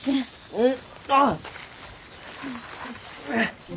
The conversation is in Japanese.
うん。